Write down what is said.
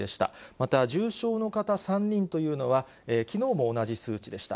また重症の方３人というのは、きのうも同じ数値でした。